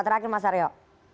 terakhir mas aryo